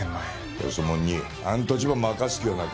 よそもんにあん土地を任す気はなか。